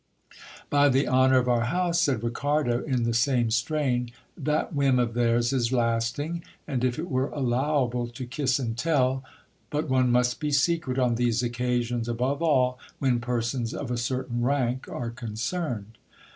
By the honour of our house, said Ricardo, in the same strain, that whim of theirs is lasting, and if it were allowable to kiss and tell But one must be secret on these occasions, above all when persons of a certain rank are concerned.